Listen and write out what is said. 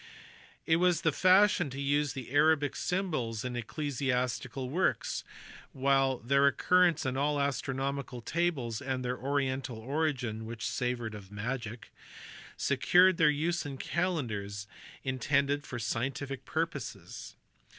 It was the fashion to use the Arabic symbols in ecclesiastical works ; while their occurrence in all astronomical tables and their oriental origin (which savoured of magic) secured their use in calendars intended for scientific purposes.